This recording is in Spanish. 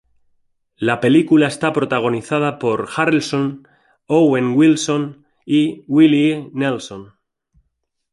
La película está protagonizada por Harrelson, Owen Wilson y Willie Nelson.